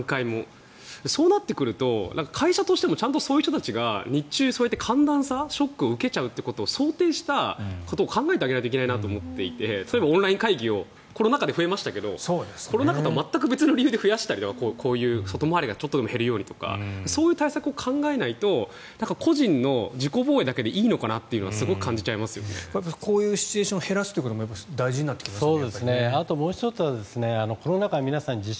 そうなってくると会社としてもちゃんとそういう人たちが日中にそうやって寒暖差ショックを受けちゃうということを想定して、考えないといけないなと思っていて例えば、オンライン会議をコロナ禍で増えましたがそれとは全く違う理由で増やしたりとかそういう対策を考えないと個人の自己防衛だけでいいのかなというのはこういうシチュエーションを増やすということもすごく大事になってきますね。